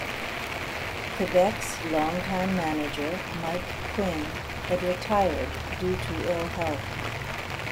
Quebec's long-time manager Mike Quinn had retired due to ill health.